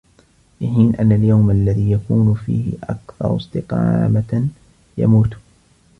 في حين أن اليوم الذي يكون فيه اكثر استقامةُ ، يموت